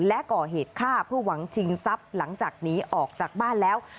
และก่อเหตุฆ่าเพื่อหวังชิงทรัพย์หลังจากหนีออกจากบ้านแล้ว